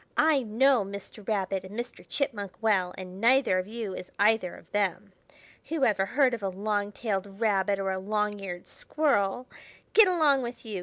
"I know Mr. Rabbit and Mr. Chipmunk well, and neither of you is either of them. Who ever heard of a long tailed rabbit or a long eared squirrel? Get along with you!